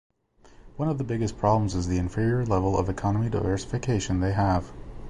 One of the biggest problems is the inferior level of economy diversification they have.